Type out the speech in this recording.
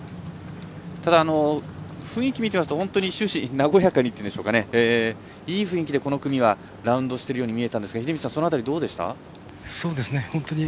ただ、雰囲気を見ていますと収支、和やかにといいますかいい雰囲気で、この組はラウンドしてるように見えたんですけど秀道さん、その辺りどうでした？